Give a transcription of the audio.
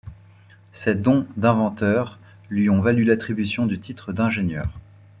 Ses dons d'inventeur lui ont valu l’attribution du titre d’ingénieur.